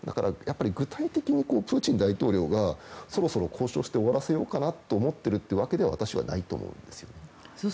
具体的に、プーチン大統領が早く交渉を終わらせようと思ってるわけでは私はないと思うんです。